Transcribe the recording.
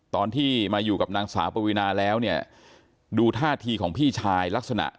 ตอนที่มาอยู่กับนางสาวปวีนาแล้วเนี่ยดูท่าทีของพี่ชายลักษณะ